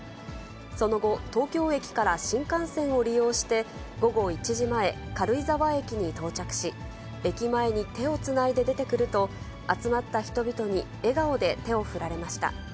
その後、東京駅から新幹線を利用して、午後１時前、軽井沢駅に到着し、駅前に手をつないで出てくると、集まった人々に笑顔で手を振られました。